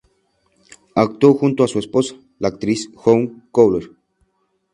Actuó junto a su esposa, la actriz June Collyer.